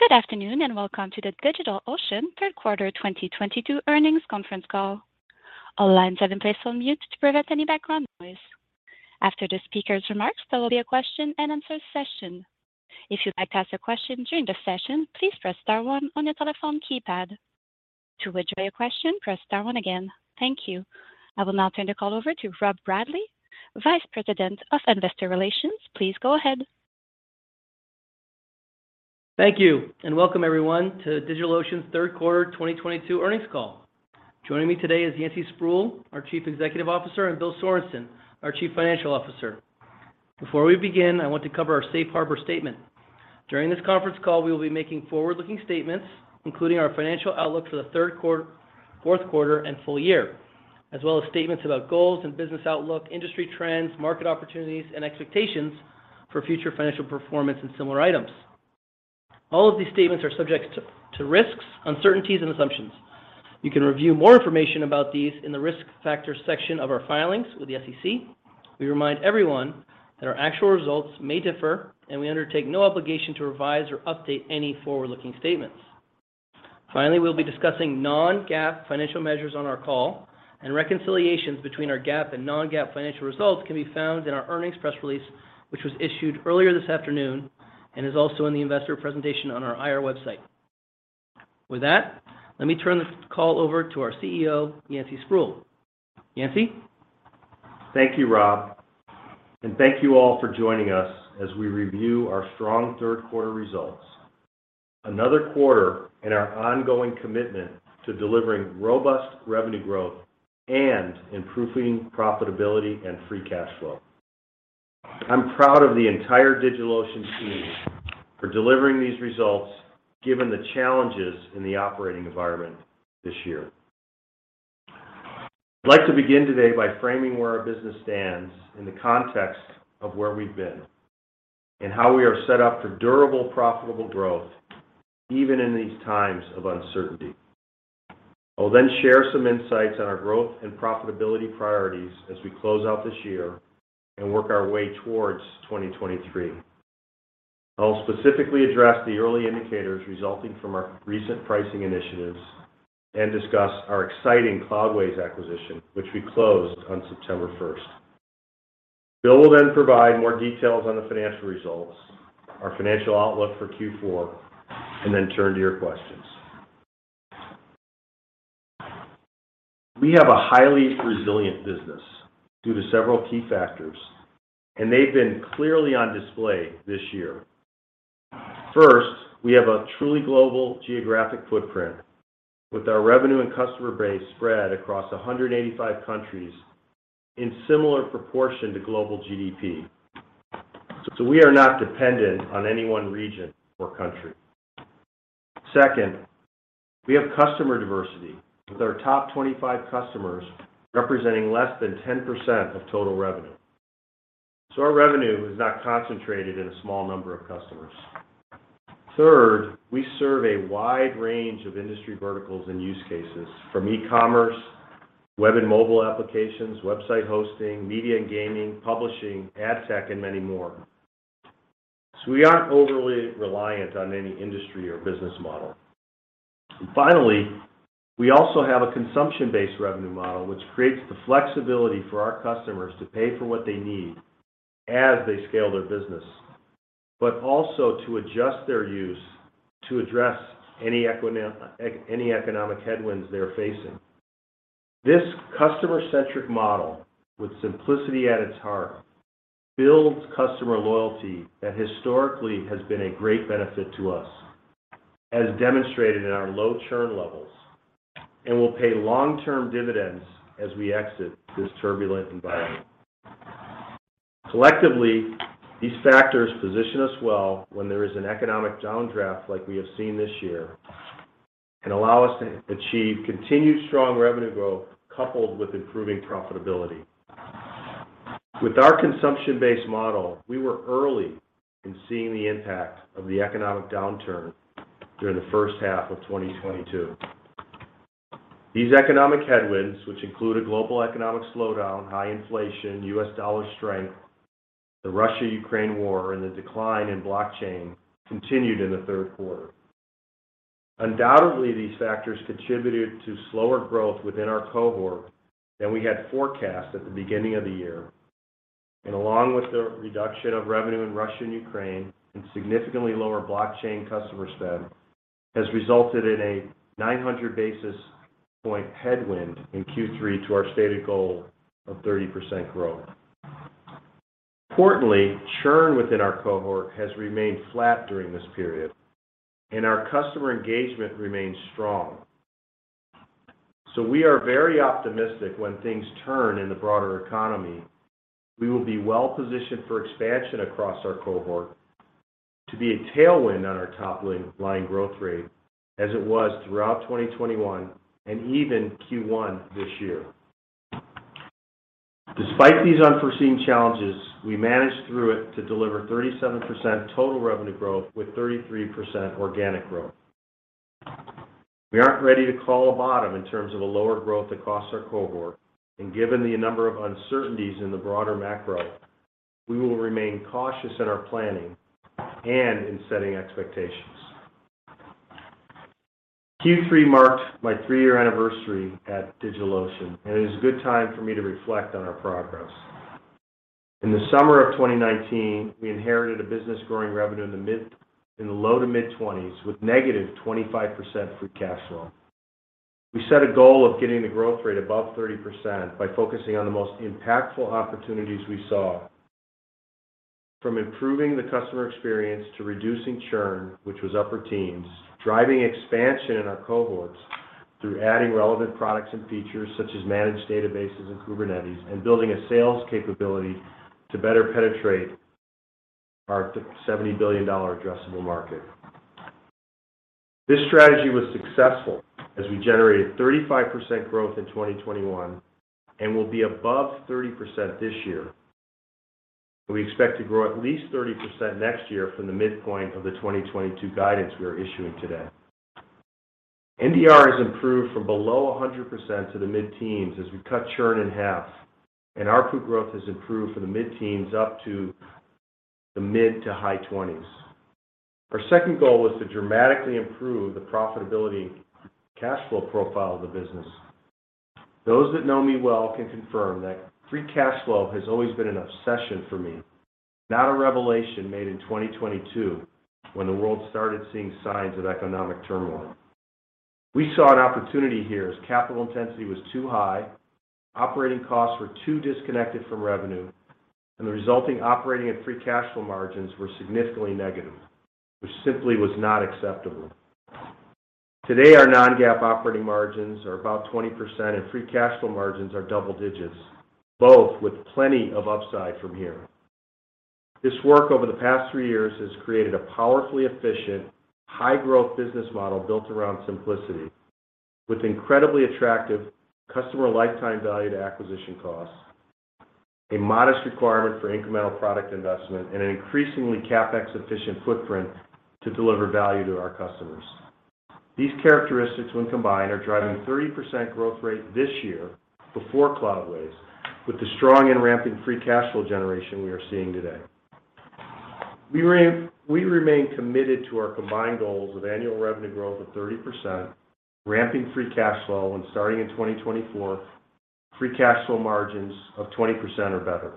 Good afternoon, and welcome to the DigitalOcean third quarter 2022 earnings conference call. All lines have been placed on mute to prevent any background noise. After the speaker's remarks, there will be a question-and-answer session. If you'd like to ask a question during the session, please press star one on your telephone keypad. To withdraw your question, press star one again. Thank you. I will now turn the call over to Rob Bradley, Vice President of Investor Relations. Please go ahead. Thank you, and welcome everyone to DigitalOcean's third quarter 2022 earnings call. Joining me today is Yancey Spruill, our Chief Executive Officer, and Bill Sorenson, our Chief Financial Officer. Before we begin, I want to cover our safe harbor statement. During this conference call, we will be making forward-looking statements, including our financial outlook for the fourth quarter, and full year, as well as statements about goals and business outlook, industry trends, market opportunities, and expectations for future financial performance and similar items. All of these statements are subject to risks, uncertainties, and assumptions. You can review more information about these in the Risk Factors section of our filings with the SEC. We remind everyone that our actual results may differ, and we undertake no obligation to revise or update any forward-looking statements. Finally, we'll be discussing non-GAAP financial measures on our call and reconciliations between our GAAP and non-GAAP financial results can be found in our earnings press release, which was issued earlier this afternoon and is also in the investor presentation on our IR website. With that, let me turn this call over to our CEO, Yancey Spruill. Yancey. Thank you, Rob, and thank you all for joining us as we review our strong third quarter results, another quarter in our ongoing commitment to delivering robust revenue growth and improving profitability and free cash flow. I'm proud of the entire DigitalOcean team for delivering these results given the challenges in the operating environment this year. I'd like to begin today by framing where our business stands in the context of where we've been and how we are set up for durable, profitable growth even in these times of uncertainty. I'll then share some insights on our growth and profitability priorities as we close out this year and work our way towards 2023. I'll specifically address the early indicators resulting from our recent pricing initiatives and discuss our exciting Cloudways acquisition, which we closed on September first. Bill will then provide more details on the financial results, our financial outlook for Q4, and then turn to your questions. We have a highly resilient business due to several key factors, and they've been clearly on display this year. First, we have a truly global geographic footprint with our revenue and customer base spread across 185 countries in similar proportion to global GDP. We are not dependent on any one region or country. Second, we have customer diversity with our top 25 customers representing less than 10% of total revenue. Our revenue is not concentrated in a small number of customers. Third, we serve a wide range of industry verticals and use cases from e-commerce, web and mobile applications, website hosting, media and gaming, publishing, ad tech, and many more. We aren't overly reliant on any industry or business model. Finally, we also have a consumption-based revenue model which creates the flexibility for our customers to pay for what they need as they scale their business, but also to adjust their use to address any economic headwinds they're facing. This customer-centric model with simplicity at its heart builds customer loyalty that historically has been a great benefit to us, as demonstrated in our low churn levels, and will pay long-term dividends as we exit this turbulent environment. Collectively, these factors position us well when there is an economic downdraft like we have seen this year and allow us to achieve continued strong revenue growth coupled with improving profitability. With our consumption-based model, we were early in seeing the impact of the economic downturn during the first half of 2022. These economic headwinds, which include a global economic slowdown, high inflation, US dollar strength, the Russia-Ukraine war, and the decline in blockchain, continued in the third quarter. Undoubtedly, these factors contributed to slower growth within our cohort than we had forecast at the beginning of the year, and along with the reduction of revenue in Russia and Ukraine and significantly lower blockchain customer spend, has resulted in a 900 basis points headwind in Q3 to our stated goal of 30% growth. Importantly, churn within our cohort has remained flat during this period, and our customer engagement remains strong. We are very optimistic when things turn in the broader economy, we will be well positioned for expansion across our cohort to be a tailwind on our top line growth rate as it was throughout 2021 and even Q1 this year. Despite these unforeseen challenges, we managed through it to deliver 37% total revenue growth with 33% organic growth. We aren't ready to call a bottom in terms of a lower growth across our cohort, and given the number of uncertainties in the broader macro, we will remain cautious in our planning and in setting expectations. Q3 marked my 3-year anniversary at DigitalOcean, and it is a good time for me to reflect on our progress. In the summer of 2019, we inherited a business growing revenue in the low to mid-20s with -25% free cash flow. We set a goal of getting the growth rate above 30% by focusing on the most impactful opportunities we saw from improving the customer experience to reducing churn, which was upper teens, driving expansion in our cohorts through adding relevant products and features such as managed databases and Kubernetes, and building a sales capability to better penetrate our $70 billion addressable market. This strategy was successful as we generated 35% growth in 2021 and will be above 30% this year. We expect to grow at least 30% next year from the midpoint of the 2022 guidance we are issuing today. NDR has improved from below 100% to the mid-teens as we cut churn in half, and our new logo growth has improved from the mid-teens up to the mid- to high 20s. Our second goal was to dramatically improve the profitability cash flow profile of the business. Those that know me well can confirm that free cash flow has always been an obsession for me, not a revelation made in 2022 when the world started seeing signs of economic turmoil. We saw an opportunity here as capital intensity was too high, operating costs were too disconnected from revenue, and the resulting operating and free cash flow margins were significantly negative, which simply was not acceptable. Today, our non-GAAP operating margins are about 20%, and free cash flow margins are double digits, both with plenty of upside from here. This work over the past three years has created a powerfully efficient, high-growth business model built around simplicity with incredibly attractive customer lifetime value to acquisition costs, a modest requirement for incremental product investment, and an increasingly CapEx-efficient footprint to deliver value to our customers. These characteristics, when combined, are driving a 30% growth rate this year before Cloudways with the strong and ramping free cash flow generation we are seeing today. We remain committed to our combined goals of annual revenue growth of 30%, ramping free cash flow, and starting in 2024, free cash flow margins of 20% or better.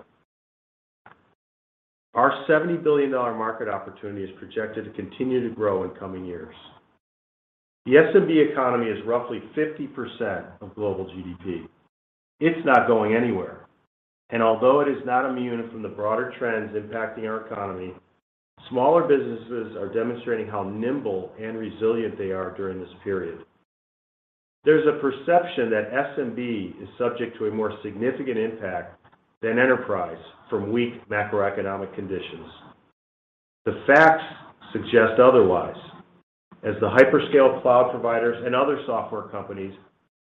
Our $70 billion market opportunity is projected to continue to grow in coming years. The SMB economy is roughly 50% of global GDP. It's not going anywhere, and although it is not immune from the broader trends impacting our economy, smaller businesses are demonstrating how nimble and resilient they are during this period. There's a perception that SMB is subject to a more significant impact than enterprise from weak macroeconomic conditions. The facts suggest otherwise, as the hyperscale cloud providers and other software companies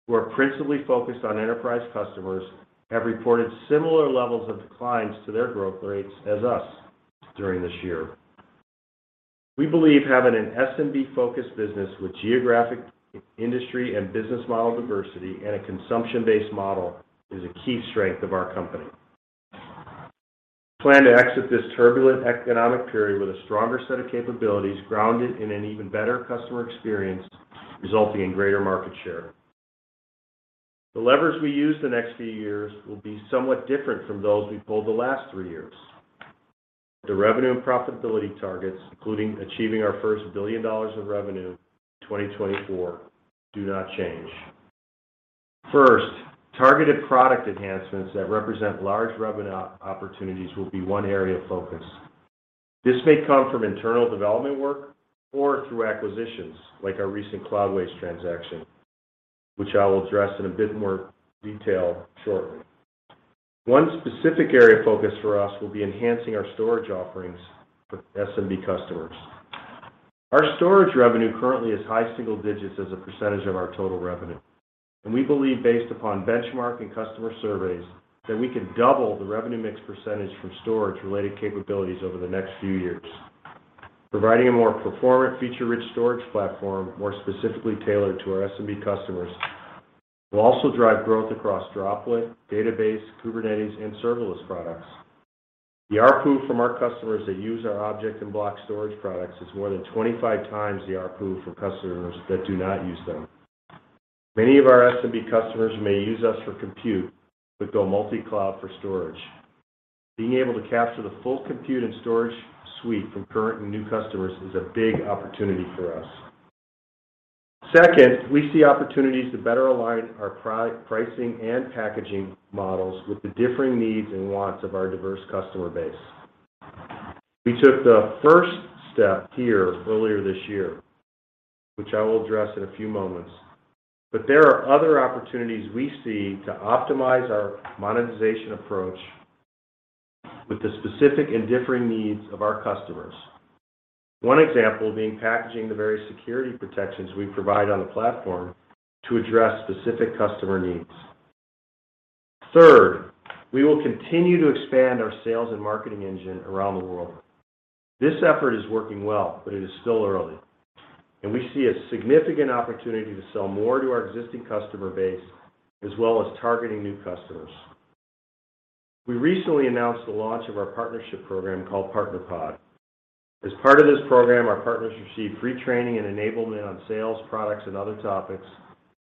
who are principally focused on enterprise customers have reported similar levels of declines to their growth rates as us during this year. We believe having an SMB-focused business with geographic industry and business model diversity and a consumption-based model is a key strength of our company. Plan to exit this turbulent economic period with a stronger set of capabilities grounded in an even better customer experience, resulting in greater market share. The levers we use the next few years will be somewhat different from those we pulled the last three years. The revenue and profitability targets, including achieving our first $1 billion of revenue in 2024, do not change. First, targeted product enhancements that represent large revenue opportunities will be one area of focus. This may come from internal development work or through acquisitions like our recent Cloudways transaction, which I will address in a bit more detail shortly. One specific area of focus for us will be enhancing our storage offerings for SMB customers. Our storage revenue currently is high single digits as a percentage of our total revenue, and we believe based upon benchmark and customer surveys that we can double the revenue mix percentage from storage-related capabilities over the next few years. Providing a more performant feature-rich storage platform more specifically tailored to our SMB customers will also drive growth across Droplet, Database, Kubernetes, and serverless products. The ARPU from our customers that use our object and block storage products is more than 25 times the ARPU for customers that do not use them. Many of our SMB customers may use us for compute but go multi-cloud for storage. Being able to capture the full compute and storage suite from current and new customers is a big opportunity for us. Second, we see opportunities to better align our pricing and packaging models with the differing needs and wants of our diverse customer base. We took the first step here earlier this year, which I will address in a few moments, but there are other opportunities we see to optimize our monetization approach with the specific and differing needs of our customers. One example being packaging the various security protections we provide on the platform to address specific customer needs. Third, we will continue to expand our sales and marketing engine around the world. This effort is working well, but it is still early, and we see a significant opportunity to sell more to our existing customer base, as well as targeting new customers. We recently announced the launch of our partnership program called Partner Pod. As part of this program, our partners receive free training and enablement on sales, products, and other topics,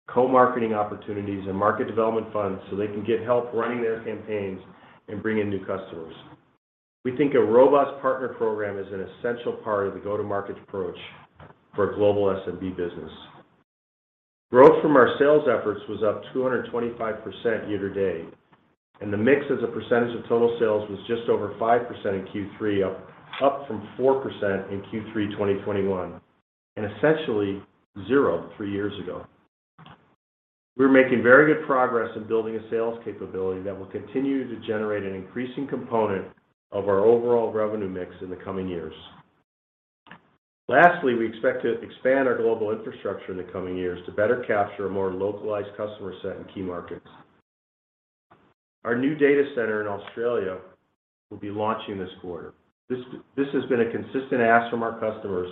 co-marketing opportunities, and market development funds so they can get help running their campaigns and bring in new customers. We think a robust partner program is an essential part of the go-to-market approach for a global SMB business. Growth from our sales efforts was up 225% year to date, and the mix as a percentage of total sales was just over 5% in Q3, up from 4% in Q3 2021, and essentially zero three years ago. We're making very good progress in building a sales capability that will continue to generate an increasing component of our overall revenue mix in the coming years. Lastly, we expect to expand our global infrastructure in the coming years to better capture a more localized customer set in key markets. Our new data center in Australia will be launching this quarter. This has been a consistent ask from our customers,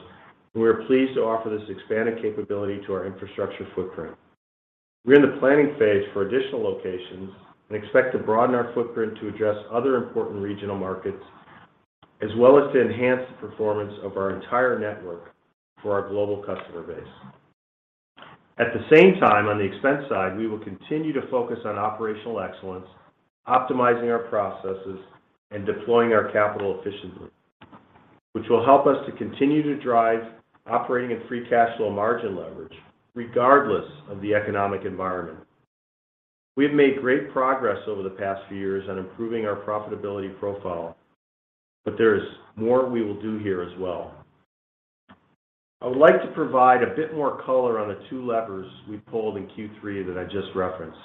and we are pleased to offer this expanded capability to our infrastructure footprint. We're in the planning phase for additional locations and expect to broaden our footprint to address other important regional markets, as well as to enhance the performance of our entire network for our global customer base. At the same time, on the expense side, we will continue to focus on operational excellence, optimizing our processes, and deploying our capital efficiently, which will help us to continue to drive operating and free cash flow margin leverage regardless of the economic environment. We have made great progress over the past few years on improving our profitability profile, but there is more we will do here as well. I would like to provide a bit more color on the two levers we pulled in Q3 that I just referenced.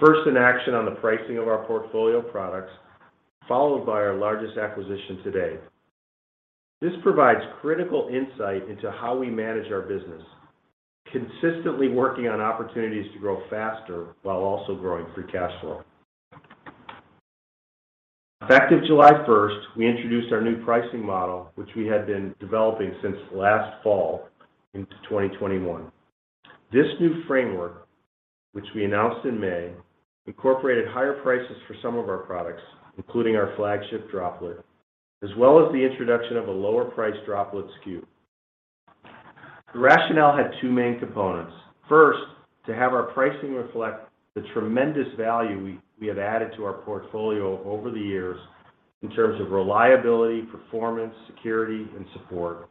First, an action on the pricing of our portfolio products, followed by our largest acquisition to date. This provides critical insight into how we manage our business, consistently working on opportunities to grow faster while also growing free cash flow. Effective July 1, we introduced our new pricing model, which we had been developing since last fall into 2021. This new framework, which we announced in May, incorporated higher prices for some of our products, including our flagship Droplet, as well as the introduction of a lower-priced Droplet SKU. The rationale had two main components. First, to have our pricing reflect the tremendous value we have added to our portfolio over the years in terms of reliability, performance, security, and support.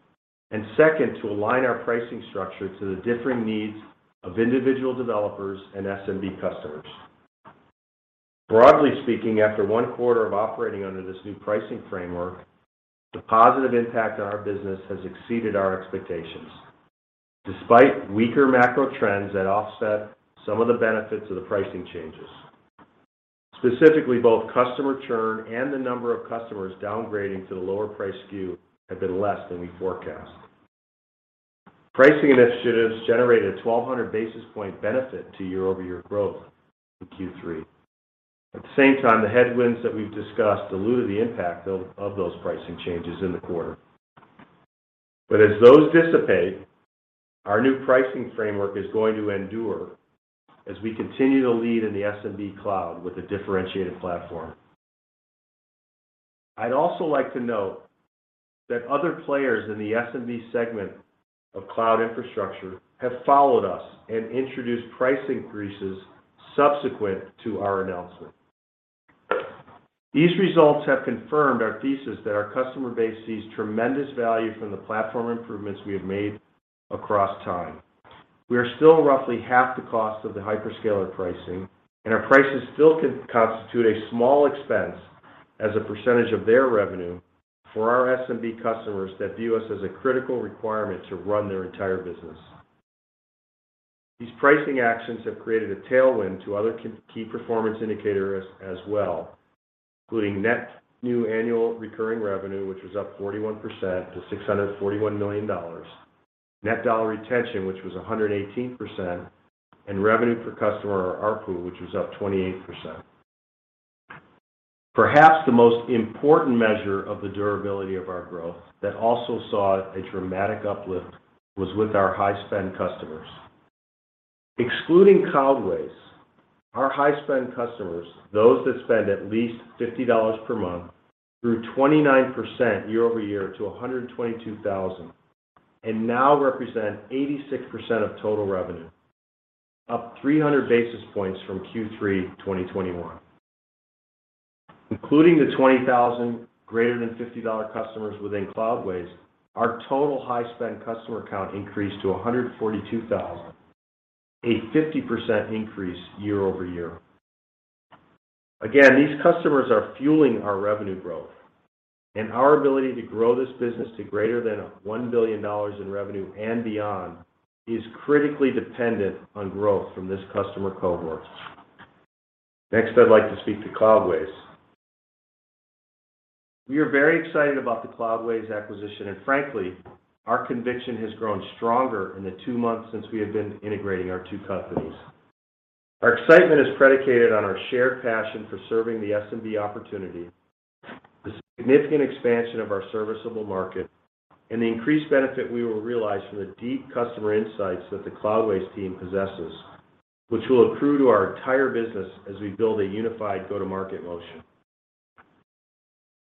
Second, to align our pricing structure to the differing needs of individual developers and SMB customers. Broadly speaking, after one quarter of operating under this new pricing framework, the positive impact on our business has exceeded our expectations despite weaker macro trends that offset some of the benefits of the pricing changes. Specifically, both customer churn and the number of customers downgrading to the lower-priced SKU have been less than we forecast. Pricing initiatives generated a 1,200 basis point benefit to year-over-year growth in Q3. At the same time, the headwinds that we've discussed diluted the impact of those pricing changes in the quarter. As those dissipate, our new pricing framework is going to endure as we continue to lead in the SMB cloud with a differentiated platform. I'd also like to note that other players in the SMB segment of cloud infrastructure have followed us and introduced price increases subsequent to our announcement. These results have confirmed our thesis that our customer base sees tremendous value from the platform improvements we have made across time. We are still roughly half the cost of the hyperscaler pricing, and our prices still constitute a small expense as a percentage of their revenue for our SMB customers that view us as a critical requirement to run their entire business. These pricing actions have created a tailwind to other key performance indicators as well, including net new annual recurring revenue, which was up 41% to $641 million, net dollar retention, which was 118%, and revenue per customer, or ARPU, which was up 28%. Perhaps the most important measure of the durability of our growth that also saw a dramatic uplift was with our high-spend customers. Excluding Cloudways, our high-spend customers, those that spend at least $50 per month, grew 29% year-over-year to 122,000 and now represent 86% of total revenue, up 300 basis points from Q3 2021. Including the 20,000 greater than $50 customers within Cloudways, our total high-spend customer count increased to 142,000, a 50% increase year-over-year. Again, these customers are fueling our revenue growth, and our ability to grow this business to greater than $1 billion in revenue and beyond is critically dependent on growth from this customer cohort. Next, I'd like to speak to Cloudways. We are very excited about the Cloudways acquisition, and frankly, our conviction has grown stronger in the two months since we have been integrating our two companies. Our excitement is predicated on our shared passion for serving the SMB opportunity, the significant expansion of our serviceable market, and the increased benefit we will realize from the deep customer insights that the Cloudways team possesses, which will accrue to our entire business as we build a unified go-to-market motion.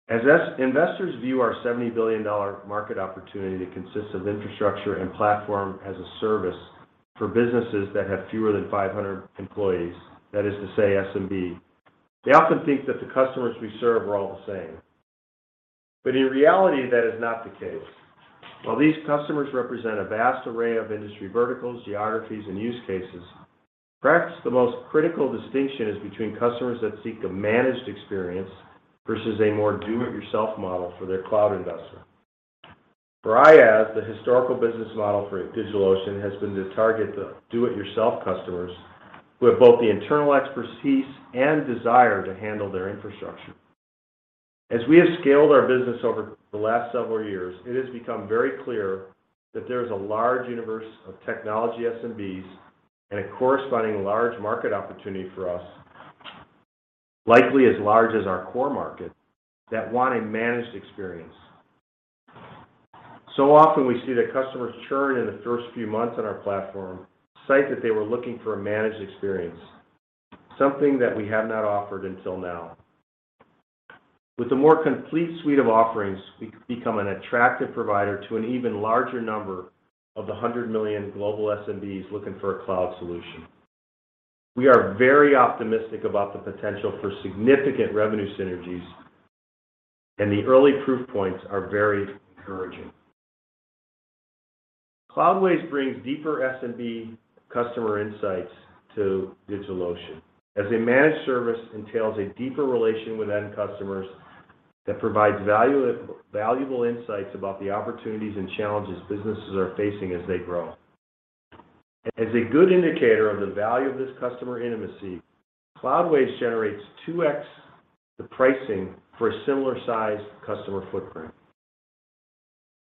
As investors view our $70 billion market opportunity that consists of infrastructure and platform as a service for businesses that have fewer than 500 employees, that is to say SMB, they often think that the customers we serve are all the same. In reality, that is not the case. While these customers represent a vast array of industry verticals, geographies, and use cases, perhaps the most critical distinction is between customers that seek a managed experience versus a more do-it-yourself model for their cloud investment. For IaaS, the historical business model for DigitalOcean has been to target the do-it-yourself customers who have both the internal expertise and desire to handle their infrastructure. As we have scaled our business over the last several years, it has become very clear that there is a large universe of technology SMBs and a corresponding large market opportunity for us, likely as large as our core market, that want a managed experience. Often we see that customers churn in the first few months on our platform cite that they were looking for a managed experience, something that we have not offered until now. With a more complete suite of offerings, we could become an attractive provider to an even larger number of the 100 million global SMBs looking for a cloud solution. We are very optimistic about the potential for significant revenue synergies, and the early proof points are very encouraging. Cloudways brings deeper SMB customer insights to DigitalOcean, as a managed service entails a deeper relation with end customers that provides valuable insights about the opportunities and challenges businesses are facing as they grow. As a good indicator of the value of this customer intimacy, Cloudways generates 2x the pricing for a similar-sized customer footprint.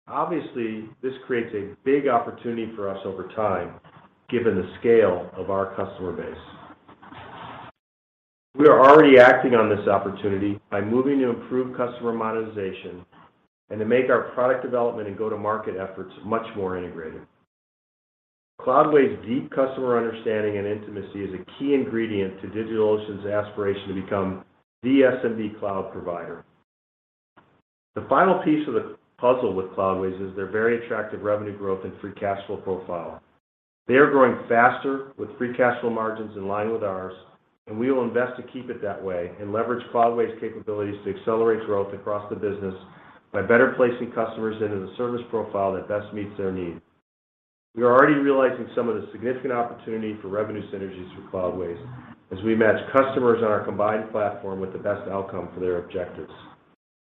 Obviously, this creates a big opportunity for us over time, given the scale of our customer base. We are already acting on this opportunity by moving to improve customer monetization and to make our product development and go-to-market efforts much more integrated. Cloudways' deep customer understanding and intimacy is a key ingredient to DigitalOcean's aspiration to become the SMB cloud provider. The final piece of the puzzle with Cloudways is their very attractive revenue growth and free cash flow profile. They are growing faster with free cash flow margins in line with ours, and we will invest to keep it that way and leverage Cloudways' capabilities to accelerate growth across the business by better placing customers into the service profile that best meets their needs. We are already realizing some of the significant opportunity for revenue synergies through Cloudways as we match customers on our combined platform with the best outcome for their objectives.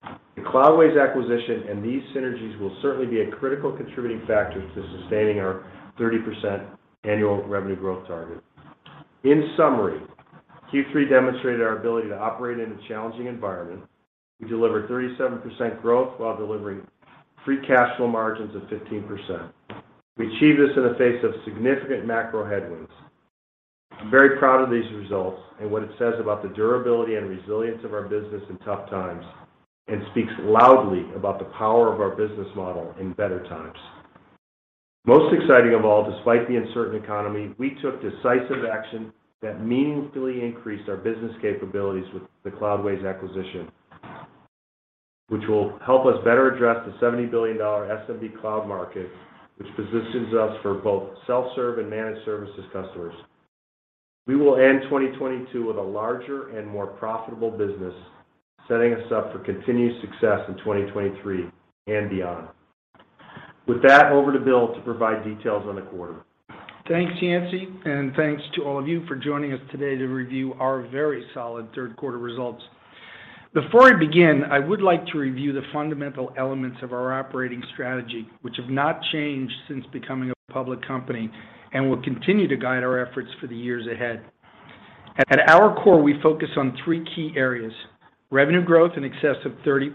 The Cloudways acquisition and these synergies will certainly be a critical contributing factor to sustaining our 30% annual revenue growth target. In summary, Q3 demonstrated our ability to operate in a challenging environment. We delivered 37% growth while delivering free cash flow margins of 15%. We achieved this in the face of significant macro headwinds. I'm very proud of these results, and what it says about the durability and resilience of our business in tough times, and speaks loudly about the power of our business model in better times. Most exciting of all, despite the uncertain economy, we took decisive action that meaningfully increased our business capabilities with the Cloudways acquisition, which will help us better address the $70 billion SMB cloud market, which positions us for both self-serve and managed services customers. We will end 2022 with a larger and more profitable business, setting us up for continued success in 2023 and beyond. With that, over to Bill to provide details on the quarter. Thanks, Yancey, and thanks to all of you for joining us today to review our very solid third quarter results. Before I begin, I would like to review the fundamental elements of our operating strategy, which have not changed since becoming a public company and will continue to guide our efforts for the years ahead. At our core, we focus on three key areas, revenue growth in excess of 30%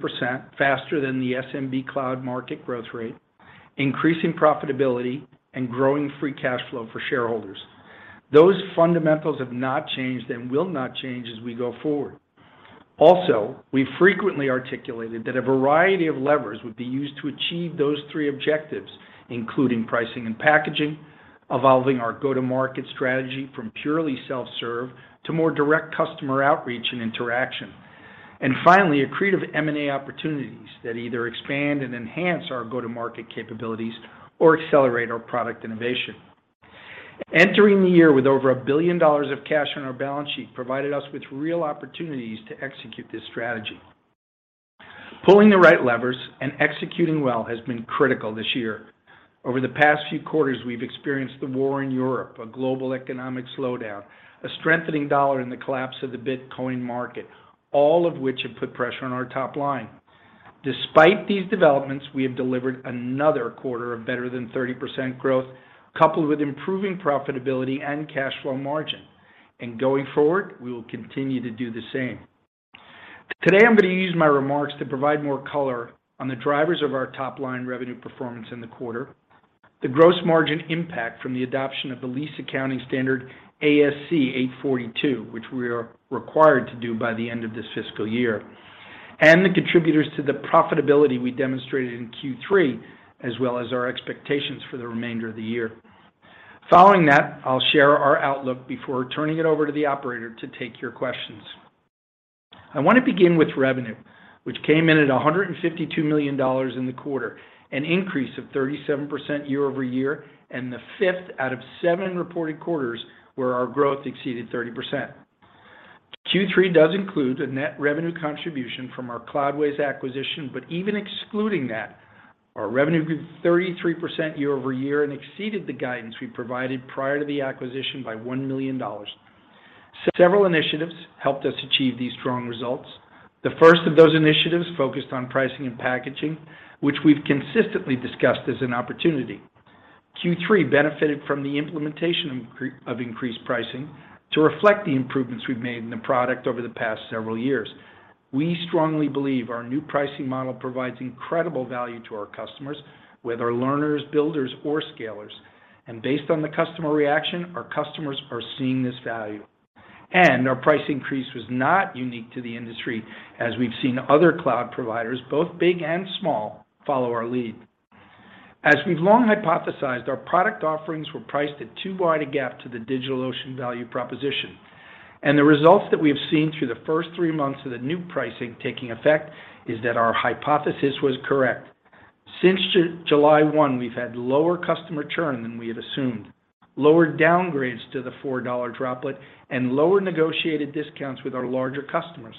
faster than the SMB cloud market growth rate, increasing profitability, and growing free cash flow for shareholders. Those fundamentals have not changed and will not change as we go forward. Also, we frequently articulated that a variety of levers would be used to achieve those three objectives, including pricing and packaging, evolving our go-to-market strategy from purely self-serve to more direct customer outreach and interaction, and finally, accretive M&A opportunities that either expand and enhance our go-to-market capabilities or accelerate our product innovation. Entering the year with over $1 billion of cash on our balance sheet provided us with real opportunities to execute this strategy. Pulling the right levers and executing well has been critical this year. Over the past few quarters, we've experienced the war in Europe, a global economic slowdown, a strengthening dollar and the collapse of the Bitcoin market, all of which have put pressure on our top line. Despite these developments, we have delivered another quarter of better than 30% growth coupled with improving profitability and cash flow margin. Going forward, we will continue to do the same. Today, I'm going to use my remarks to provide more color on the drivers of our top-line revenue performance in the quarter, the gross margin impact from the adoption of the lease accounting standard ASC 842, which we are required to do by the end of this fiscal year, and the contributors to the profitability we demonstrated in Q3, as well as our expectations for the remainder of the year. Following that, I'll share our outlook before turning it over to the operator to take your questions. I want to begin with revenue, which came in at $152 million in the quarter, an increase of 37% year-over-year and the fifth out of seven reported quarters where our growth exceeded 30%. Q3 does include the net revenue contribution from our Cloudways acquisition, but even excluding that, our revenue grew 33% year-over-year and exceeded the guidance we provided prior to the acquisition by $1 million. Several initiatives helped us achieve these strong results. The first of those initiatives focused on pricing and packaging, which we've consistently discussed as an opportunity. Q3 benefited from the implementation of increased pricing to reflect the improvements we've made in the product over the past several years. We strongly believe our new pricing model provides incredible value to our customers, whether learners, builders, or scalers. Based on the customer reaction, our customers are seeing this value. Our price increase was not unique to the industry, as we've seen other cloud providers, both big and small, follow our lead. As we've long hypothesized, our product offerings were priced at too wide a gap to the DigitalOcean value proposition. The results that we have seen through the first 3 months of the new pricing taking effect is that our hypothesis was correct. Since July 1, we've had lower customer churn than we had assumed, lower downgrades to the $4 Droplet, and lower negotiated discounts with our larger customers.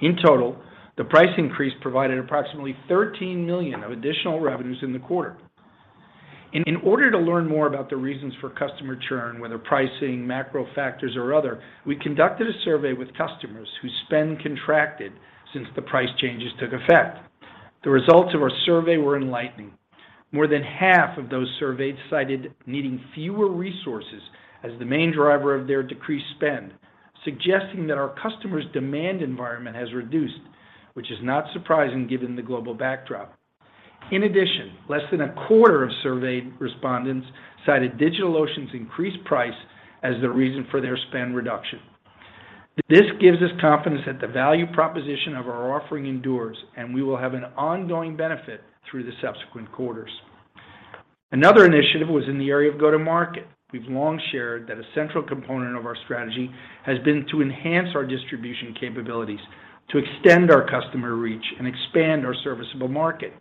In total, the price increase provided approximately $13 million of additional revenues in the quarter. In order to learn more about the reasons for customer churn, whether pricing, macro factors, or other, we conducted a survey with customers whose spend contracted since the price changes took effect. The results of our survey were enlightening. More than half of those surveyed cited needing fewer resources as the main driver of their decreased spend, suggesting that our customers' demand environment has reduced, which is not surprising given the global backdrop. In addition, less than a quarter of surveyed respondents cited DigitalOcean's increased price as the reason for their spend reduction. This gives us confidence that the value proposition of our offering endures, and we will have an ongoing benefit through the subsequent quarters. Another initiative was in the area of go-to-market. We've long shared that a central component of our strategy has been to enhance our distribution capabilities to extend our customer reach and expand our serviceable market.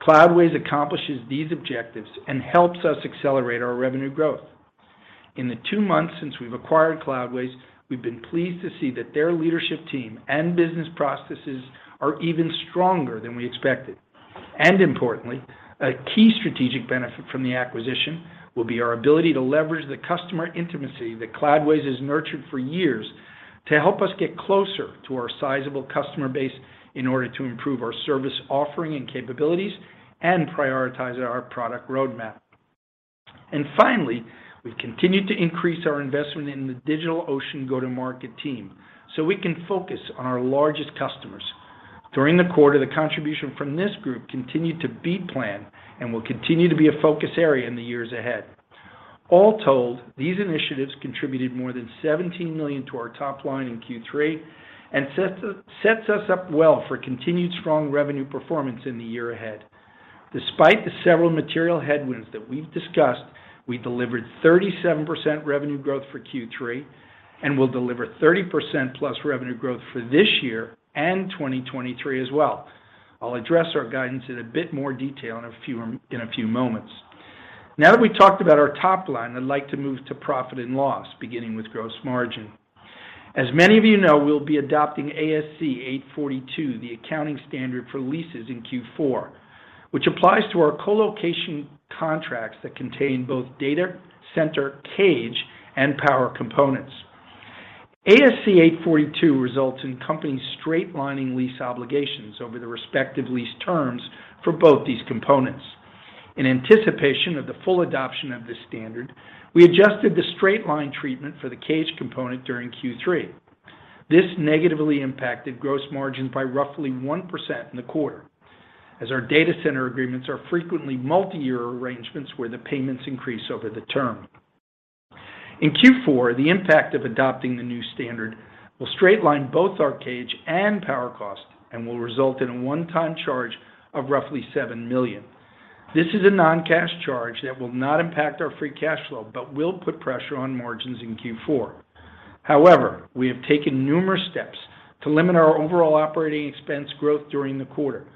Cloudways accomplishes these objectives and helps us accelerate our revenue growth. In the two months since we've acquired Cloudways, we've been pleased to see that their leadership team and business processes are even stronger than we expected. Importantly, a key strategic benefit from the acquisition will be our ability to leverage the customer intimacy that Cloudways has nurtured for years to help us get closer to our sizable customer base in order to improve our service offering and capabilities and prioritize our product roadmap. Finally, we've continued to increase our investment in the DigitalOcean go-to-market team so we can focus on our largest customers. During the quarter, the contribution from this group continued to beat plan and will continue to be a focus area in the years ahead. All told, these initiatives contributed more than $17 million to our top line in Q3 and sets us up well for continued strong revenue performance in the year ahead. Despite the several material headwinds that we've discussed, we delivered 37% revenue growth for Q3 and will deliver 30%+ revenue growth for this year and 2023 as well. I'll address our guidance in a bit more detail in a few moments. Now that we've talked about our top line, I'd like to move to profit and loss, beginning with gross margin. As many of you know, we'll be adopting ASC 842, the accounting standard for leases in Q4, which applies to our colocation contracts that contain both data center cage and power components. ASC 842 results in companies straight-lining lease obligations over the respective lease terms for both these components. In anticipation of the full adoption of this standard, we adjusted the straight-line treatment for the cage component during Q3. This negatively impacted gross margins by roughly 1% in the quarter, as our data center agreements are frequently multi-year arrangements where the payments increase over the term. In Q4, the impact of adopting the new standard will straight-line both our cage and power costs and will result in a one-time charge of roughly $7 million. This is a non-cash charge that will not impact our free cash flow but will put pressure on margins in Q4. However, we have taken numerous steps to limit our overall operating expense growth during the quarter.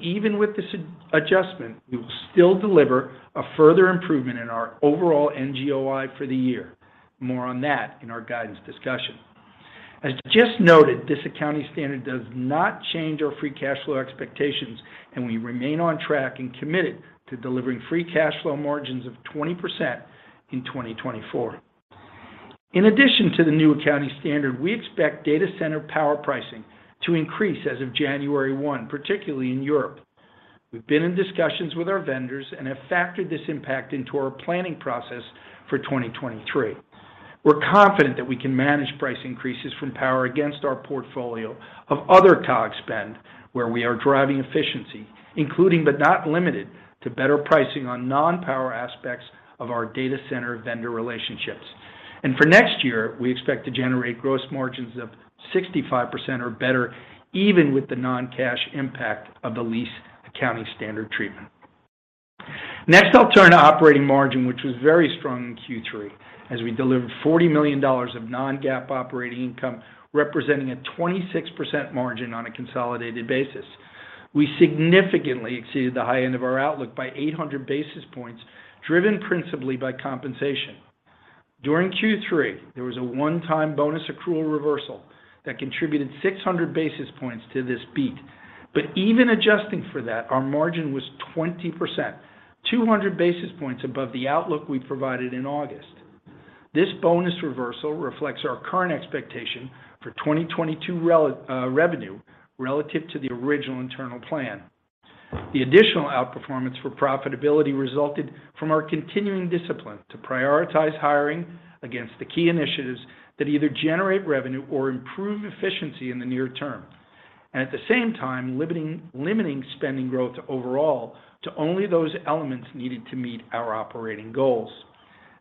Even with this adjustment, we will still deliver a further improvement in our overall NGOI for the year. More on that in our guidance discussion. As just noted, this accounting standard does not change our free cash flow expectations, and we remain on track and committed to delivering free cash flow margins of 20% in 2024. In addition to the new accounting standard, we expect data center power pricing to increase as of January 1, particularly in Europe. We've been in discussions with our vendors and have factored this impact into our planning process for 2023. We're confident that we can manage price increases from power against our portfolio of other COGS spend where we are driving efficiency, including but not limited to better pricing on non-power aspects of our data center vendor relationships. For next year, we expect to generate gross margins of 65% or better even with the non-cash impact of the lease accounting standard treatment. Next, I'll turn to operating margin, which was very strong in Q3 as we delivered $40 million of non-GAAP operating income, representing a 26% margin on a consolidated basis. We significantly exceeded the high end of our outlook by 800 basis points, driven principally by compensation. During Q3, there was a one-time bonus accrual reversal that contributed 600 basis points to this beat. Even adjusting for that, our margin was 20%, 200 basis points above the outlook we provided in August. This bonus reversal reflects our current expectation for 2022 revenue relative to the original internal plan. The additional outperformance for profitability resulted from our continuing discipline to prioritize hiring against the key initiatives that either generate revenue or improve efficiency in the near term, and at the same time limiting spending growth overall to only those elements needed to meet our operating goals.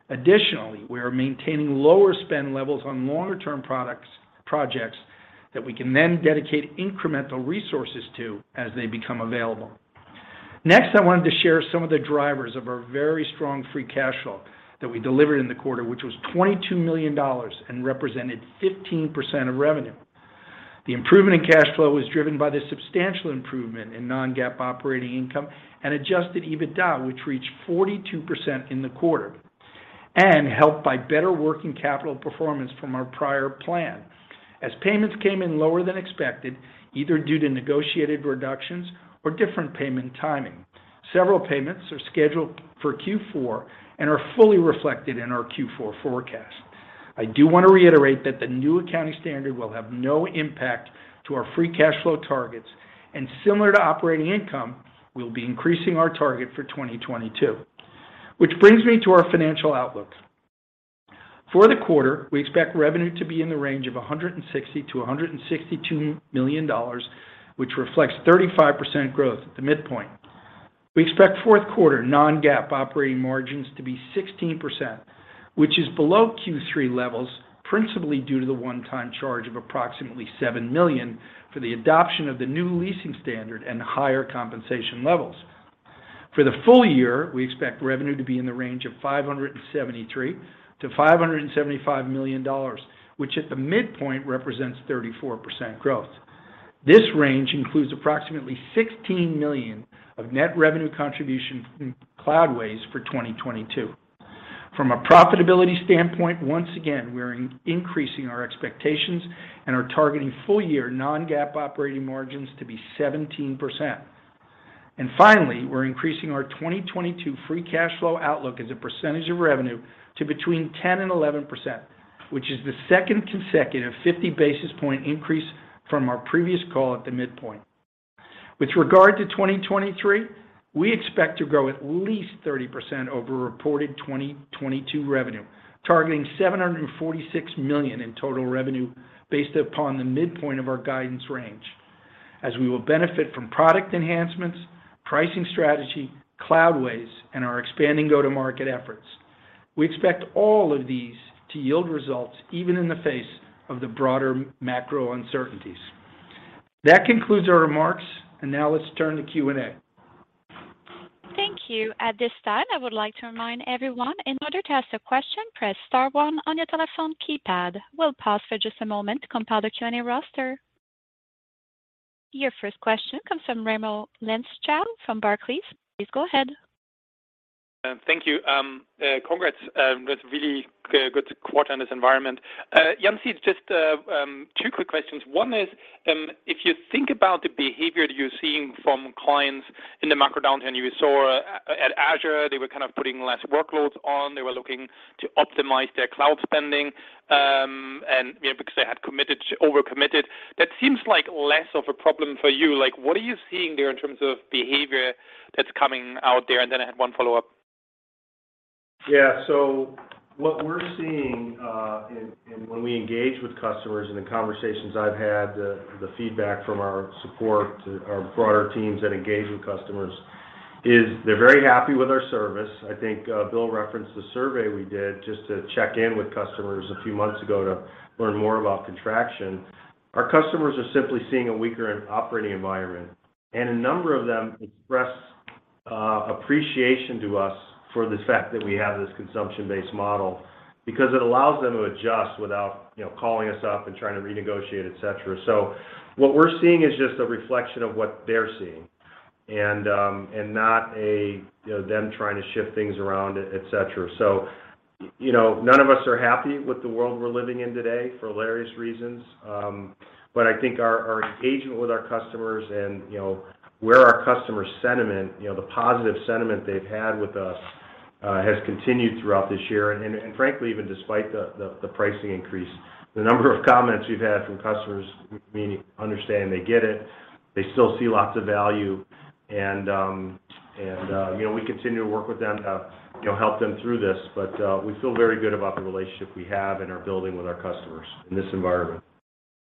Additionally, we are maintaining lower spend levels on longer-term projects that we can then dedicate incremental resources to as they become available. Next, I wanted to share some of the drivers of our very strong free cash flow that we delivered in the quarter, which was $22 million and represented 15% of revenue. The improvement in cash flow was driven by the substantial improvement in non-GAAP operating income and adjusted EBITDA, which reached 42% in the quarter, and helped by better working capital performance from our prior plan as payments came in lower than expected, either due to negotiated reductions or different payment timing. Several payments are scheduled for Q4 and are fully reflected in our Q4 forecast. I do want to reiterate that the new accounting standard will have no impact to our free cash flow targets, and similar to operating income, we'll be increasing our target for 2022. Which brings me to our financial outlook. For the quarter, we expect revenue to be in the range of $160 million-$162 million, which reflects 35% growth at the midpoint. We expect fourth quarter non-GAAP operating margins to be 16%, which is below Q3 levels, principally due to the one-time charge of approximately $7 million for the adoption of the new leasing standard and higher compensation levels. For the full year, we expect revenue to be in the range of $573 million-$575 million, which at the midpoint represents 34% growth. This range includes approximately $16 million of net revenue contribution from Cloudways for 2022. From a profitability standpoint, once again, we're increasing our expectations and are targeting full-year non-GAAP operating margins to be 17%. Finally, we're increasing our 2022 free cash flow outlook as a percentage of revenue to between 10% and 11%, which is the second consecutive 50 basis point increase from our previous call at the midpoint. With regard to 2023, we expect to grow at least 30% over reported 2022 revenue, targeting $746 million in total revenue based upon the midpoint of our guidance range, as we will benefit from product enhancements, pricing strategy, Cloudways, and our expanding go-to-market efforts. We expect all of these to yield results even in the face of the broader macro uncertainties. That concludes our remarks, and now let's turn to Q&A. Thank you. At this time, I would like to remind everyone, in order to ask a question, press star one on your telephone keypad. We'll pause for just a moment to compile the Q&A roster. Your first question comes from Raimo Lenschow from Barclays. Please go ahead. Thank you. Congrats with really good quarter in this environment. Yancey, just two quick questions. One is, if you think about the behavior that you're seeing from clients in the macro downturn, you saw at Azure, they were kind of putting less workloads on. They were looking to optimize their cloud spending, and, you know, because they had overcommitted. That seems like less of a problem for you. Like, what are you seeing there in terms of behavior that's coming out there? And then I have one follow-up. Yeah. What we're seeing when we engage with customers and the conversations I've had, the feedback from our support to our broader teams that engage with customers is they're very happy with our service. I think, Bill referenced the survey we did just to check in with customers a few months ago to learn more about contraction. Our customers are simply seeing a weaker operating environment, and a number of them expressed appreciation to us for the fact that we have this consumption-based model because it allows them to adjust without, you know, calling us up and trying to renegotiate, et cetera. What we're seeing is just a reflection of what they're seeing and not a, you know, them trying to shift things around, et cetera. You know, none of us are happy with the world we're living in today for various reasons. I think our engagement with our customers and, you know, where our customer sentiment, you know, the positive sentiment they've had with us. Has continued throughout this year. Frankly, even despite the pricing increase, the number of comments we've had from customers. We mean they understand they get it, they still see lots of value, and you know, we continue to work with them to, you know, help them through this. We feel very good about the relationship we have and are building with our customers in this environment.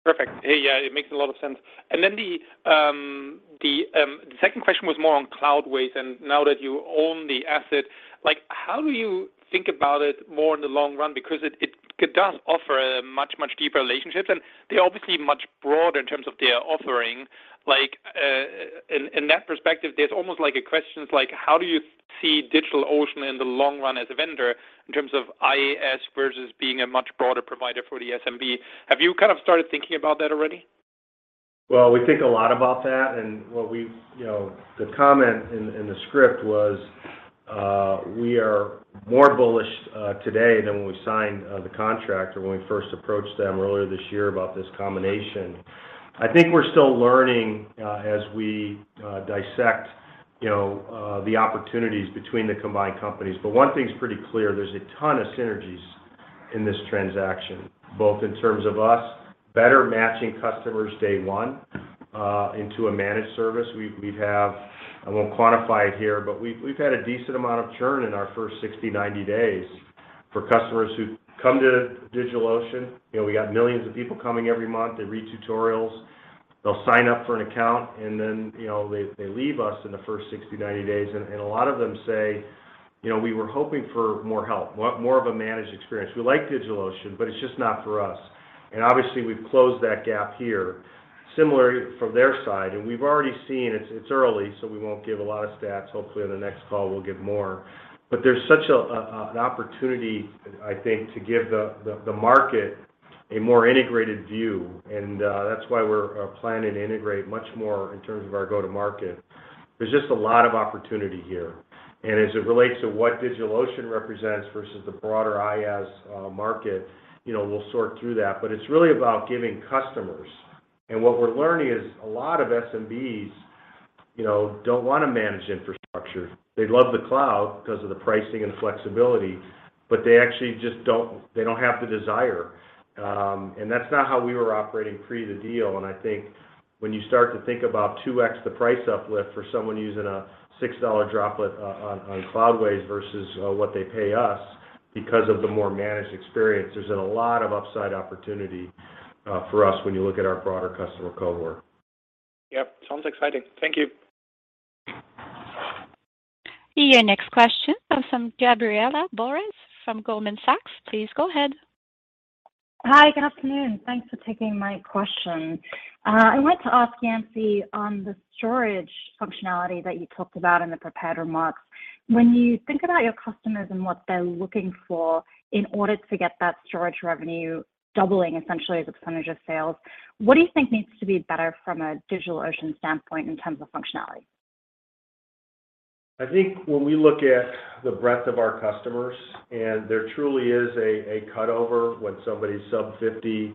Perfect. Yeah, it makes a lot of sense. The second question was more on Cloudways, and now that you own the asset, like, how do you think about it more in the long run? Because it does offer much deeper relationships, and they're obviously much broader in terms of their offering. Like, in that perspective, there's almost like a question like how do you see DigitalOcean in the long run as a vendor in terms of IaaS versus being a much broader provider for the SMB? Have you kind of started thinking about that already? Well, we think a lot about that, and what we've, you know. The comment in the script was, we are more bullish today than when we signed the contract or when we first approached them earlier this year about this combination. I think we're still learning as we dissect, you know, the opportunities between the combined companies. One thing's pretty clear, there's a ton of synergies in this transaction, both in terms of us better matching customers day one into a managed service. We have. I won't quantify it here, but we've had a decent amount of churn in our first 60, 90 days for customers who come to DigitalOcean. You know, we got millions of people coming every month. They read tutorials, they'll sign up for an account, and then, you know, they leave us in the first 60, 90 days. A lot of them say, you know, "We were hoping for more help, want more of a managed experience. We like DigitalOcean, but it's just not for us." Obviously we've closed that gap here similarly from their side. We've already seen. It's early, so we won't give a lot of stats. Hopefully on the next call we'll give more. But there's such an opportunity, I think, to give the market a more integrated view, and that's why we're planning to integrate much more in terms of our go-to-market. There's just a lot of opportunity here. As it relates to what DigitalOcean represents versus the broader IaaS market, you know, we'll sort through that. It's really about giving customers. What we're learning is a lot of SMBs, you know, don't wanna manage infrastructure. They love the cloud 'cause of the pricing and flexibility, but they actually just don't have the desire. That's not how we were operating pre the deal. I think when you start to think about 2x the price uplift for someone using a $6 Droplet on Cloudways versus what they pay us because of the more managed experience, there's been a lot of upside opportunity for us when you look at our broader customer cohort. Yep. Sounds exciting. Thank you. Your next question comes from Gabriela Borges from Goldman Sachs. Please go ahead. Hi, good afternoon. Thanks for taking my question. I wanted to ask Yancey on the storage functionality that you talked about in the prepared remarks. When you think about your customers and what they're looking for in order to get that storage revenue doubling essentially as a percentage of sales, what do you think needs to be better from a DigitalOcean standpoint in terms of functionality? I think when we look at the breadth of our customers, and there truly is a cut over when somebody's sub 50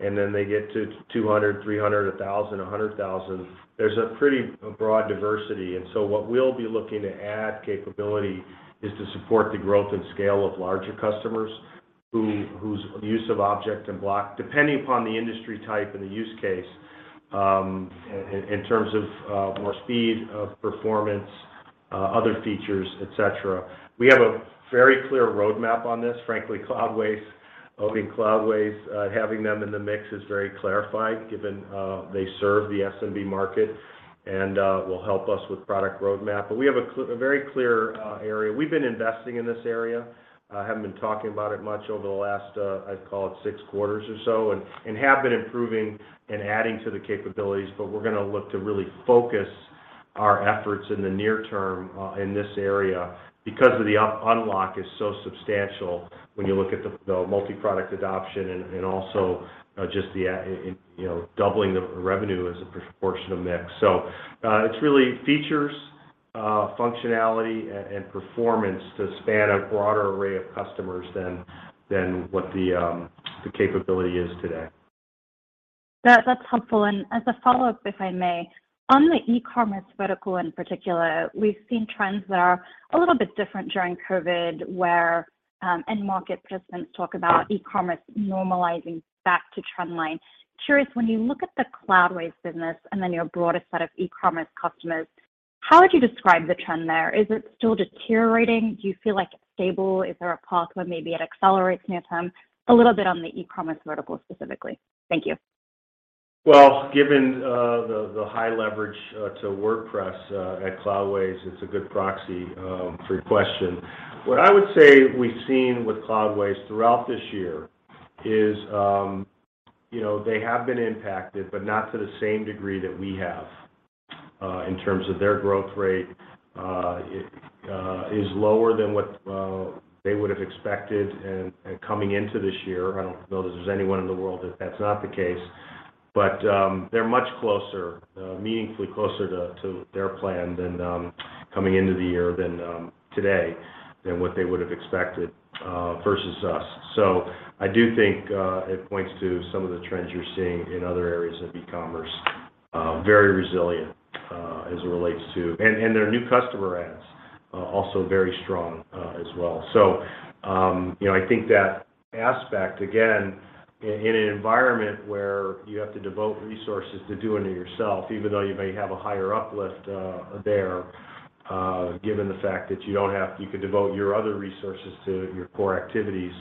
and then they get to 200, 300, 1,000, 100,000. There's a pretty broad diversity. What we'll be looking to add capability is to support the growth and scale of larger customers whose use of object and block, depending upon the industry type and the use case, in terms of more speed of performance, other features, et cetera, we have a very clear roadmap on this. Frankly, owning Cloudways, having them in the mix is very clarified given they serve the SMB market and will help us with product roadmap. We have a very clear area. We've been investing in this area, haven't been talking about it much over the last, I'd call it six quarters or so, and have been improving and adding to the capabilities. We're gonna look to really focus our efforts in the near term, in this area because of the unlock is so substantial when you look at the multi-product adoption and also, just the, you know, doubling the revenue as a proportion of mix. It's really features, functionality, and performance to span a broader array of customers than what the capability is today. That, that's helpful. As a follow-up, if I may, on the e-commerce vertical in particular, we've seen trends that are a little bit different during COVID, where end market participants talk about e-commerce normalizing back to trend line. Curious, when you look at the Cloudways business and then your broader set of e-commerce customers, how would you describe the trend there? Is it still deteriorating? Do you feel like it's stable? Is there a path where maybe it accelerates near-term? A little bit on the e-commerce vertical specifically. Thank you. Well, given the high leverage to WordPress at Cloudways, it's a good proxy for your question. What I would say we've seen with Cloudways throughout this year is, you know, they have been impacted, but not to the same degree that we have in terms of their growth rate, it is lower than what they would've expected in coming into this year. I don't know that there's anyone in the world that that's not the case. They're much closer, meaningfully closer to their plan than coming into the year than today than what they would've expected versus us. I do think it points to some of the trends you're seeing in other areas of e-commerce. Very resilient as it relates to their new customer adds are also very strong as well. You know, I think that aspect, again, in an environment where you have to devote resources to doing it yourself, even though you may have a higher uplift there, given the fact that you can devote your other resources to your core activities,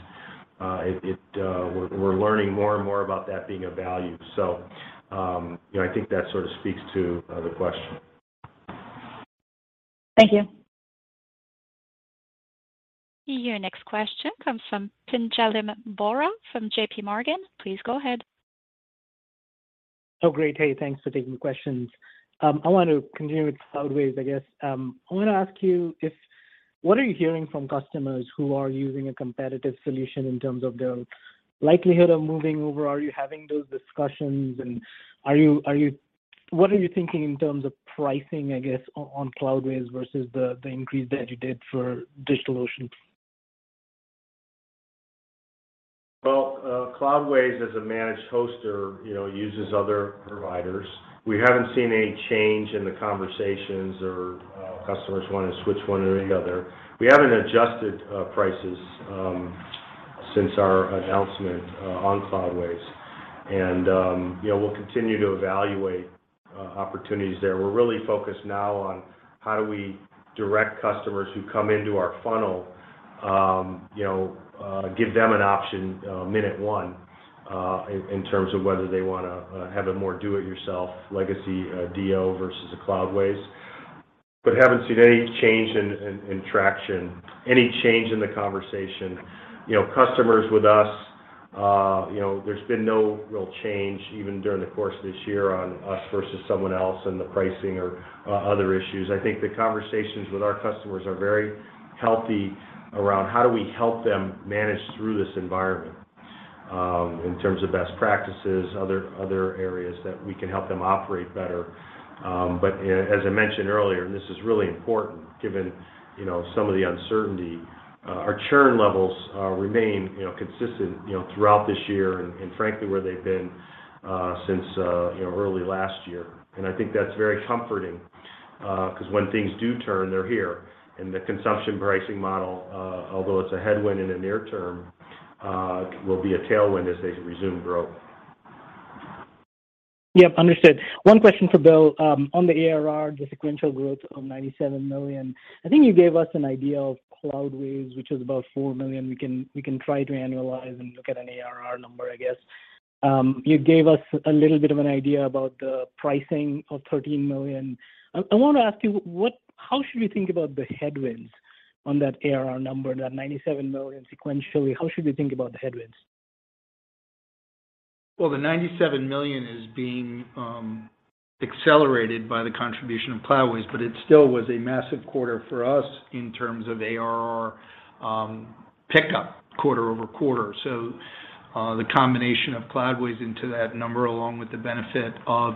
we're learning more and more about that being a value. You know, I think that sort of speaks to the question. Thank you. Your next question comes from Pinjalim Bora from JP Morgan. Please go ahead. Oh, great. Hey, thanks for taking the questions. I want to continue with Cloudways, I guess. I wanna ask you what are you hearing from customers who are using a competitive solution in terms of their likelihood of moving over? Are you having those discussions? What are you thinking in terms of pricing, I guess, on Cloudways versus the increase that you did for DigitalOcean? Well, Cloudways as a managed hoster, you know, uses other providers. We haven't seen any change in the conversations or, customers wanna switch one or the other. We haven't adjusted prices since our announcement on Cloudways. You know, we'll continue to evaluate opportunities there. We're really focused now on how do we direct customers who come into our funnel, you know, give them an option, minute one, in terms of whether they wanna have a more do-it-yourself legacy DO versus a Cloudways. We haven't seen any change in traction, any change in the conversation. You know, customers with us, you know, there's been no real change, even during the course of this year, on us versus someone else in the pricing or other issues. I think the conversations with our customers are very healthy around how do we help them manage through this environment, in terms of best practices, other areas that we can help them operate better. But as I mentioned earlier, and this is really important given, you know, some of the uncertainty, our churn levels remain, you know, consistent, you know, throughout this year and frankly, where they've been, since, you know, early last year. I think that's very comforting, 'cause when things do turn, they're here. The consumption pricing model, although it's a headwind in the near term, will be a tailwind as they resume growth. Yep, understood. One question for Bill. On the ARR, the sequential growth of $97 million, I think you gave us an idea of Cloudways, which is about $4 million. We can try to annualize and look at an ARR number, I guess. You gave us a little bit of an idea about the pricing of $13 million. I wanna ask you, how should we think about the headwinds on that ARR number, that $97 million sequentially? How should we think about the headwinds? Well, the $97 million is being accelerated by the contribution of Cloudways, but it still was a massive quarter for us in terms of ARR pickup quarter-over-quarter. The combination of Cloudways into that number, along with the benefit of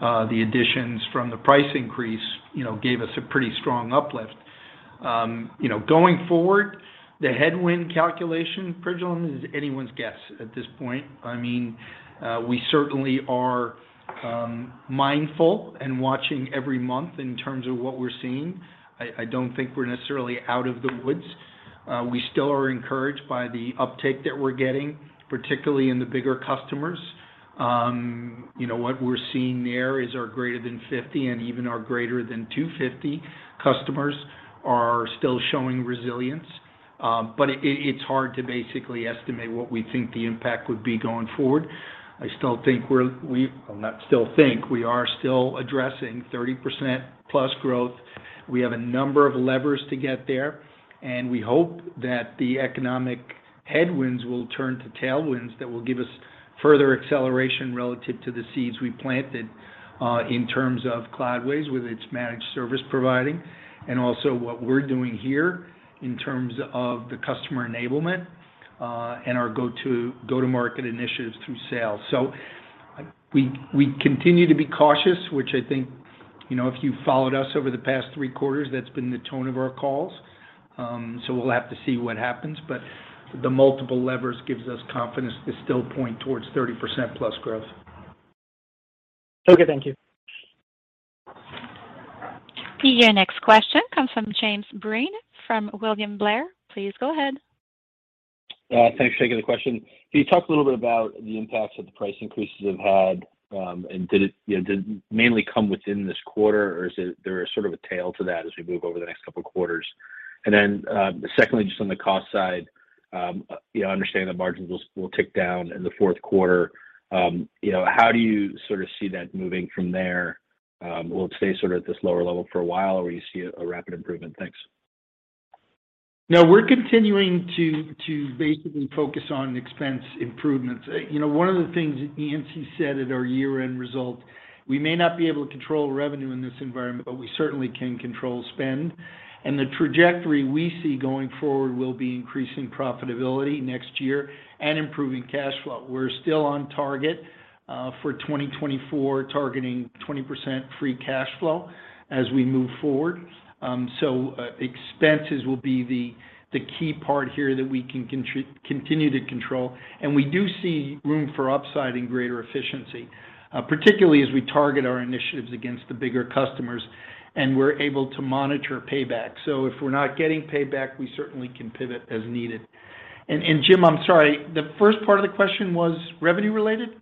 the additions from the price increase, you know, gave us a pretty strong uplift. You know, going forward, the headwind calculation, Pranjal, is anyone's guess at this point. I mean, we certainly are mindful and watching every month in terms of what we're seeing. I don't think we're necessarily out of the woods. We still are encouraged by the uptake that we're seeing, particularly in the bigger customers. You know, what we're seeing there is our greater than 50 and even our greater than 250 customers are still showing resilience. It's hard to basically estimate what we think the impact would be going forward. We are still addressing 30%+ growth. We have a number of levers to get there, and we hope that the economic headwinds will turn to tailwinds that will give us further acceleration relative to the seeds we planted in terms of Cloudways with its managed service provider and also what we're doing here in terms of the customer enablement and our go-to-market initiatives through sales. We continue to be cautious, which I think, you know, if you've followed us over the past three quarters, that's been the tone of our calls. We'll have to see what happens, but the multiple levers gives us confidence to still point towards 30%+ growth. Okay, thank you. Your next question comes from James Breen from William Blair. Please go ahead. Thanks. Thank you for the question. Can you talk a little bit about the impacts that the price increases have had? Did it, you know, mainly come within this quarter, or is there a sort of a tail to that as we move over the next couple of quarters? Secondly, just on the cost side, you know, I understand the margins will tick down in the fourth quarter. You know, how do you sort of see that moving from there? Will it stay sort of at this lower level for a while, or you see a rapid improvement? Thanks. No, we're continuing to basically focus on expense improvements. You know, one of the things that Yancey said at our year-end result, we may not be able to control revenue in this environment, but we certainly can control spend. The trajectory we see going forward will be increasing profitability next year and improving cash flow. We're still on target for 2024, targeting 20% free cash flow as we move forward. Expenses will be the key part here that we can continue to control. We do see room for upside and greater efficiency, particularly as we target our initiatives against the bigger customers, and we're able to monitor payback. If we're not getting payback, we certainly can pivot as needed. Jim, I'm sorry, the first part of the question was revenue related?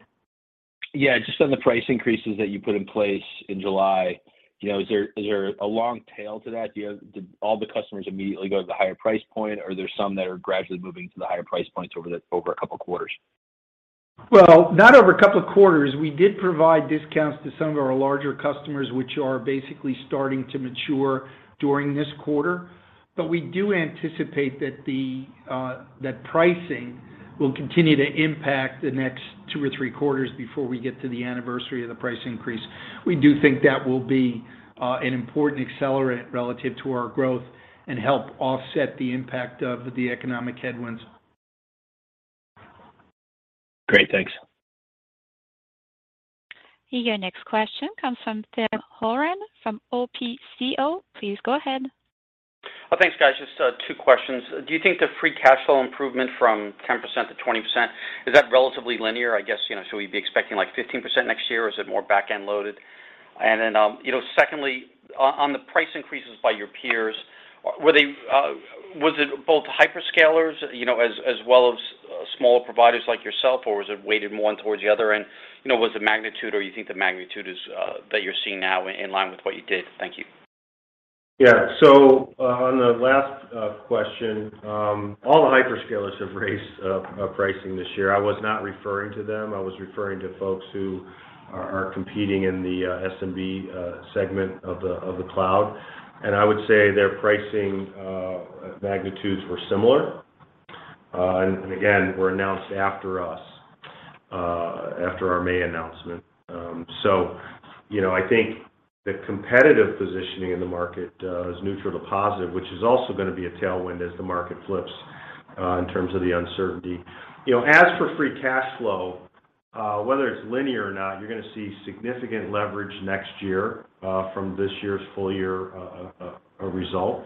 Yeah, just on the price increases that you put in place in July, you know, is there a long tail to that? Did all the customers immediately go to the higher price point, or are there some that are gradually moving to the higher price points over a couple of quarters? Well, not over a couple of quarters. We did provide discounts to some of our larger customers, which are basically starting to mature during this quarter. We do anticipate that pricing will continue to impact the next 2 or 3 quarters before we get to the anniversary of the price increase. We do think that will be an important accelerant relative to our growth and help offset the impact of the economic headwinds. Great. Thanks. Your next question comes from Tim Horan from Oppenheimer & Co. Please go ahead. Oh, thanks, guys. Just two questions. Do you think the free cash flow improvement from 10% to 20%, is that relatively linear? I guess, you know, so we'd be expecting like 15% next year, or is it more back-end loaded? Then, you know, secondly, on the price increases by your peers, was it both hyperscalers, you know, as well as smaller providers like yourself, or was it weighted more towards the other? You know, was the magnitude or you think the magnitude is that you're seeing now in line with what you did? Thank you. Yeah. On the last question, all the hyperscalers have raised pricing this year. I was not referring to them. I was referring to folks who are competing in the SMB segment of the cloud. I would say their pricing magnitudes were similar, and again, were announced after us, after our May announcement. You know, I think the competitive positioning in the market is neutral to positive, which is also gonna be a tailwind as the market flips in terms of the uncertainty. You know, as for free cash flow, whether it's linear or not, you're gonna see significant leverage next year from this year's full year result.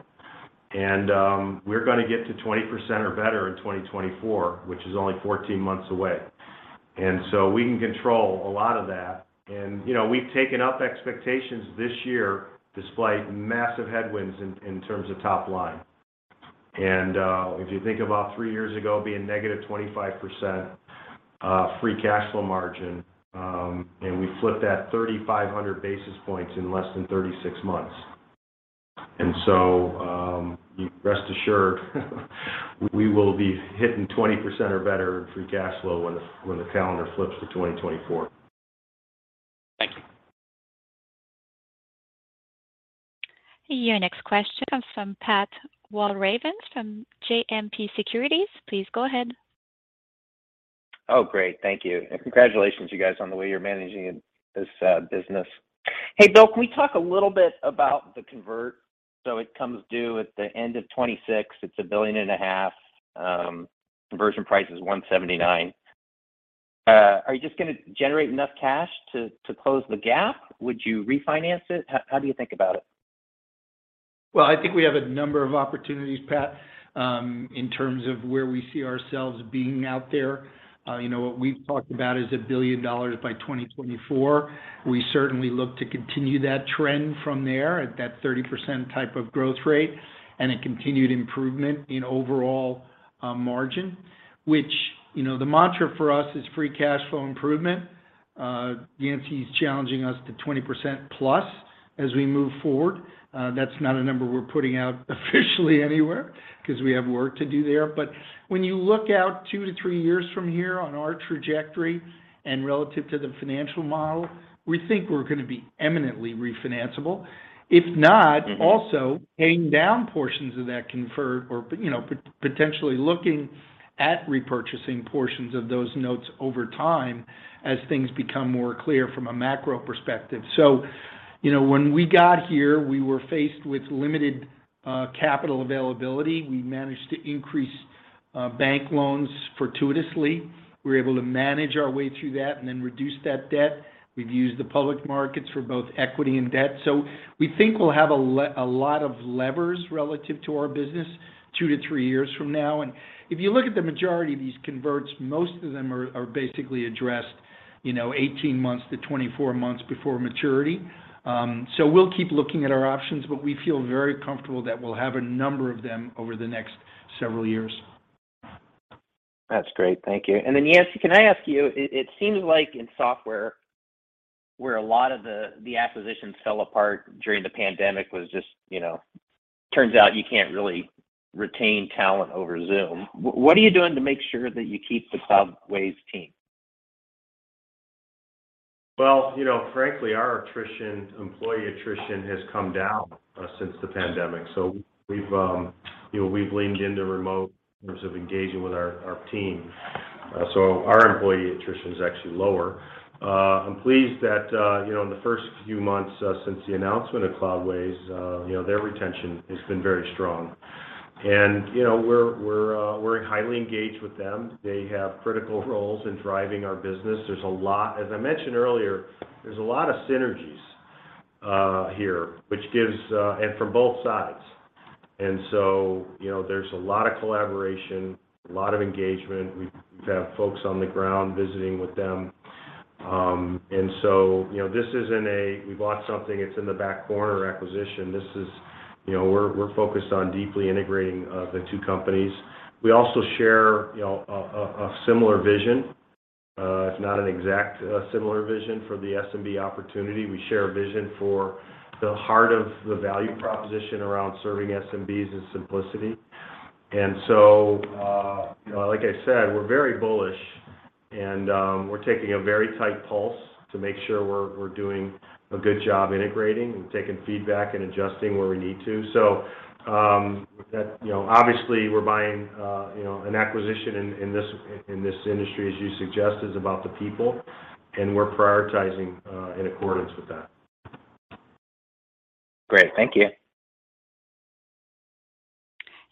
We're gonna get to 20% or better in 2024, which is only 14 months away. We can control a lot of that. You know, we've taken up expectations this year despite massive headwinds in terms of top line. If you think about three years ago being -25%, free cash flow margin, and we flipped that 3,500 basis points in less than 36 months. Rest assured, we will be hitting 20% or better in free cash flow when the calendar flips to 2024. Thank you. Your next question comes from Patrick Walravens from JMP Securities. Please go ahead. Oh, great. Thank you. Congratulations, you guys, on the way you're managing this business. Hey, Bill, can we talk a little bit about the convertible? It comes due at the end of 2026. It's $1.5 billion. Conversion price is $179. Are you just gonna generate enough cash to close the gap? Would you refinance it? How do you think about it? Well, I think we have a number of opportunities, Pat, in terms of where we see ourselves being out there. You know, what we've talked about is $1 billion by 2024. We certainly look to continue that trend from there at that 30% type of growth rate and a continued improvement in overall margin, which, you know, the mantra for us is free cash flow improvement. Yancey is challenging us to 20%+ as we move forward. That's not a number we're putting out officially anywhere because we have work to do there. When you look out two to three years from here on our trajectory and relative to the financial model, we think we're gonna be eminently refinancable. If not- Mm-hmm. Paying down portions of that convert or, you know, potentially looking at repurchasing portions of those notes over time as things become more clear from a macro perspective. You know, when we got here, we were faced with limited capital availability. We managed to increase bank loans fortuitously. We were able to manage our way through that and then reduce that debt. We've used the public markets for both equity and debt. We think we'll have a lot of levers relative to our business two to three years from now. If you look at the majority of these converts, most of them are basically addressed, you know, eighteen months to twenty-four months before maturity. We'll keep looking at our options, but we feel very comfortable that we'll have a number of them over the next several years. That's great. Thank you. Then, Yancey, can I ask you, it seems like in software where a lot of the acquisitions fell apart during the pandemic was just, you know, turns out you can't really retain talent over Zoom. What are you doing to make sure that you keep the Cloudways team? Well, you know, frankly, our attrition, employee attrition has come down since the pandemic. We've you know, we've leaned into remote means of engaging with our team. Our employee attrition is actually lower. I'm pleased that, you know, in the first few months since the announcement of Cloudways, you know, their retention has been very strong. You know, we're highly engaged with them. They have critical roles in driving our business. As I mentioned earlier, there's a lot of synergies here, which gives and from both sides. You know, there's a lot of collaboration, a lot of engagement. We've had folks on the ground visiting with them. You know, this isn't a we-bought-something-that's-in-the-back-corner acquisition. You know, we're focused on deeply integrating the two companies. We also share, you know, a similar vision. It's not an exact similar vision for the SMB opportunity. We share a vision for the heart of the value proposition around serving SMBs is simplicity. You know, like I said, we're very bullish, and we're taking a very tight pulse to make sure we're doing a good job integrating and taking feedback and adjusting where we need to. You know, obviously we're buying an acquisition in this industry, as you suggest, is about the people, and we're prioritizing in accordance with that. Great. Thank you.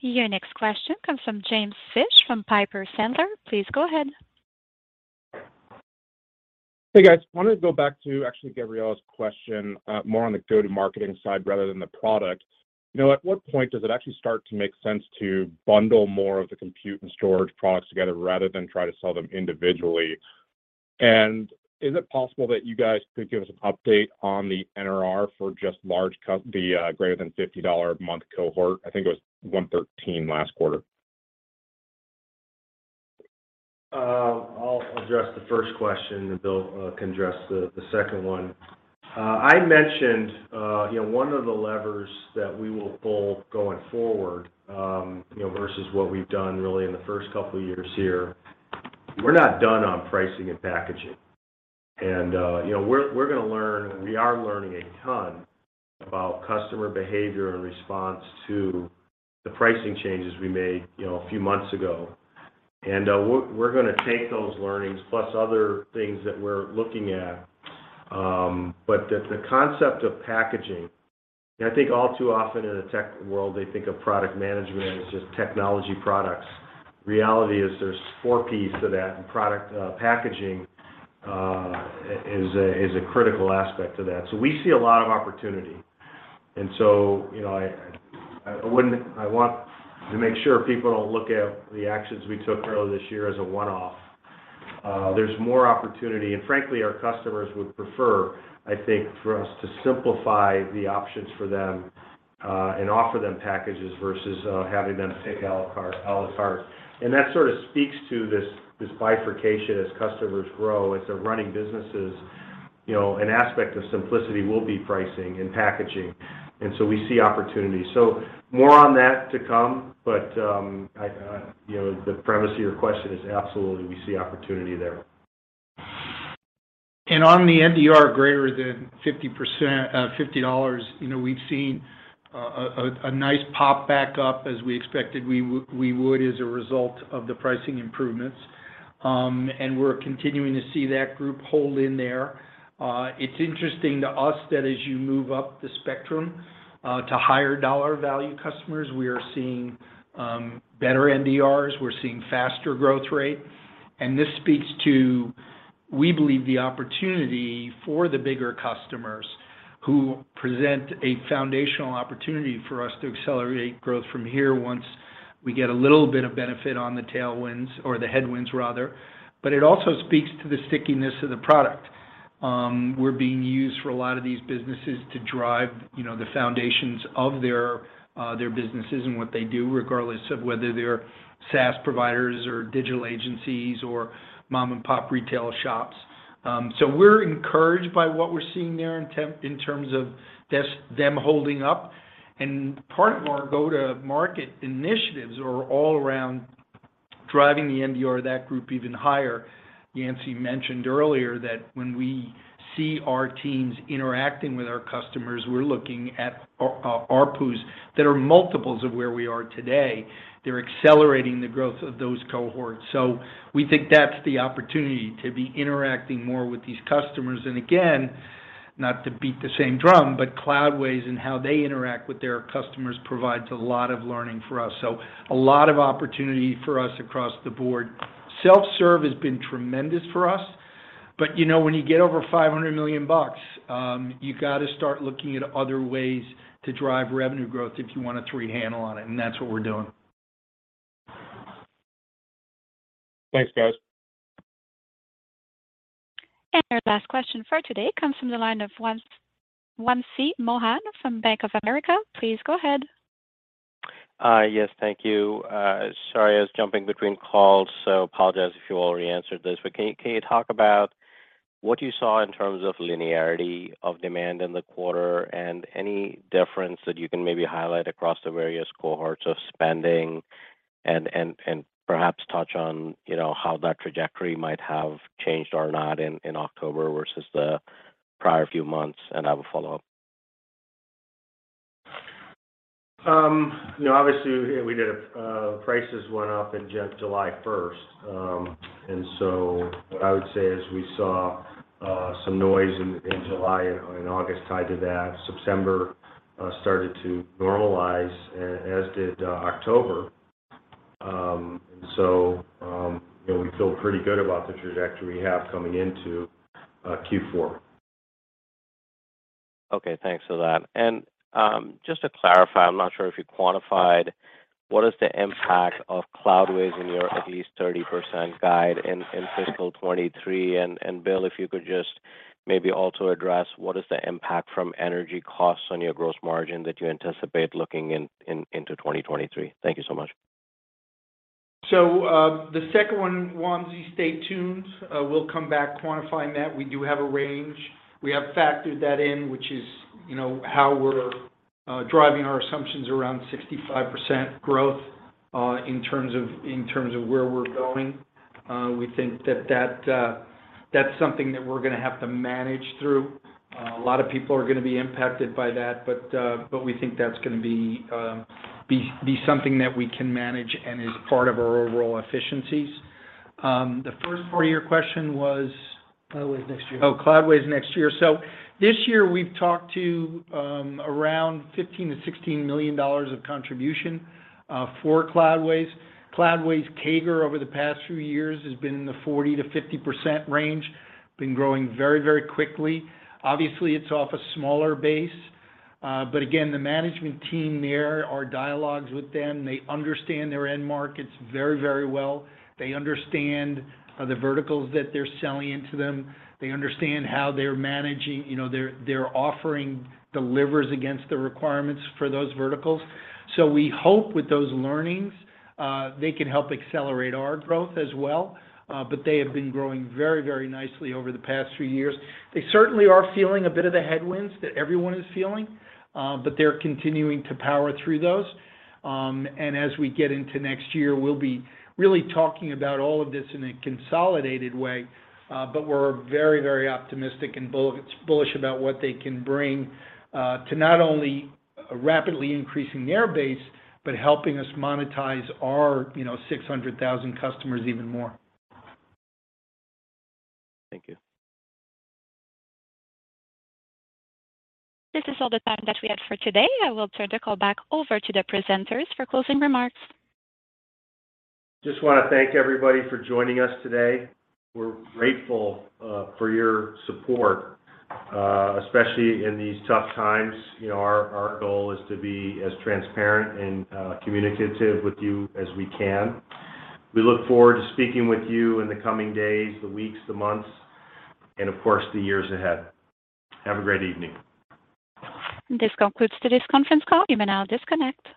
Your next question comes from James Fish from Piper Sandler. Please go ahead. Hey, guys. Wanted to go back to actually Gabriela's question, more on the go-to-market side rather than the product. You know, at what point does it actually start to make sense to bundle more of the compute and storage products together rather than try to sell them individually? And is it possible that you guys could give us an update on the NRR for just the greater than $50 a month cohort? I think it was 113% last quarter. I'll address the first question, and Bill can address the second one. I mentioned, you know, one of the levers that we will pull going forward, you know, versus what we've done really in the first couple of years here. We're not done on pricing and packaging. You know, we're gonna learn, we are learning a ton about customer behavior in response to the pricing changes we made, you know, a few months ago. We're gonna take those learnings plus other things that we're looking at, but the concept of packaging. I think all too often in the tech world, they think of product management as just technology products. Reality is there's four pieces to that, and product packaging is a critical aspect to that. We see a lot of opportunity. You know, I wouldn't want to make sure people don't look at the actions we took earlier this year as a one-off. There's more opportunity, and frankly, our customers would prefer, I think, for us to simplify the options for them, and offer them packages versus having them pick a la carte. That sort of speaks to this bifurcation as customers grow. As they're running businesses, you know, an aspect of simplicity will be pricing and packaging. We see opportunities. More on that to come, but you know, the premise of your question is absolutely, we see opportunity there. On the NDR greater than 50%, $50, you know, we've seen a nice pop back up as we expected we would as a result of the pricing improvements. We're continuing to see that group hold in there. It's interesting to us that as you move up the spectrum to higher dollar value customers, we are seeing better NDRs, we're seeing faster growth rate. This speaks to, we believe the opportunity for the bigger customers who present a foundational opportunity for us to accelerate growth from here once we get a little bit of benefit on the tailwinds or the headwinds rather. It also speaks to the stickiness of the product. We're being used for a lot of these businesses to drive, you know, the foundations of their businesses and what they do, regardless of whether they're SaaS providers or digital agencies or mom and pop retail shops. We're encouraged by what we're seeing there in terms of them holding up. Part of our go-to-market initiatives are all around driving the NDR of that group even higher. Yancey mentioned earlier that when we see our teams interacting with our customers, we're looking at ARPU's that are multiples of where we are today. They're accelerating the growth of those cohorts. We think that's the opportunity to be interacting more with these customers. Again, not to beat the same drum, but Cloudways and how they interact with their customers provides a lot of learning for us. A lot of opportunity for us across the board. Self-serve has been tremendous for us. You know, when you get over $500 million, you got to start looking at other ways to drive revenue growth if you want a three-handle on it, and that's what we're doing. Thanks, guys. Our last question for today comes from the line of Wamsi Mohan from Bank of America. Please go ahead. Yes, thank you. Sorry, I was jumping between calls, so apologize if you already answered this. But can you talk about what you saw in terms of linearity of demand in the quarter and any difference that you can maybe highlight across the various cohorts of spending and perhaps touch on, you know, how that trajectory might have changed or not in October versus the prior few months? I have a follow-up. You know, obviously, prices went up in July first. What I would say is we saw some noise in July and August tied to that. September started to normalize, as did October. You know, we feel pretty good about the trajectory we have coming into Q4. Okay. Thanks for that. Just to clarify, I'm not sure if you quantified what is the impact of Cloudways in your at least 30% guide in fiscal 2023. Bill, if you could just maybe also address what is the impact from energy costs on your gross margin that you anticipate looking into 2023. Thank you so much. The second one, Wamsi, stay tuned. We'll come back quantifying that. We do have a range. We have factored that in, which is, you know, how we're driving our assumptions around 65% growth in terms of where we're going. We think that that's something that we're gonna have to manage through. A lot of people are gonna be impacted by that, but we think that's gonna be something that we can manage and is part of our overall efficiencies. The first part of your question was? Cloudways next year. Oh, Cloudways next year. This year we've talked to around $15-$16 million of contribution for Cloudways. Cloudways CAGR over the past few years has been in the 40%-50% range. Been growing very, very quickly. Obviously, it's off a smaller base. The management team there, our dialogues with them, they understand their end markets very, very well. They understand the verticals that they're selling into them. They understand how they're managing. You know, their offering delivers against the requirements for those verticals. We hope with those learnings, they can help accelerate our growth as well. They have been growing very, very nicely over the past few years. They certainly are feeling a bit of the headwinds that everyone is feeling, but they're continuing to power through those. As we get into next year, we'll be really talking about all of this in a consolidated way. We're very, very optimistic and bullish about what they can bring to not only rapidly increasing their base, but helping us monetize our, you know, 600,000 customers even more. Thank you. This is all the time that we have for today. I will turn the call back over to the presenters for closing remarks. Just wanna thank everybody for joining us today. We're grateful for your support, especially in these tough times. You know, our goal is to be as transparent and communicative with you as we can. We look forward to speaking with you in the coming days, the weeks, the months, and of course, the years ahead. Have a great evening. This concludes today's conference call. You may now disconnect.